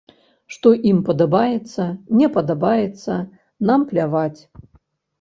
Што ім падабаецца, не падабаецца, нам пляваць.